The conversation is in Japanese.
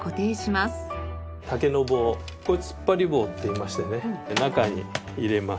竹の棒これ突っ張り棒っていいましてね中に入れます。